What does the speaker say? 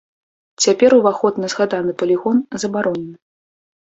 Цяпер уваход на згаданы палігон забаронены.